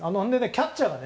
キャッチャーがね。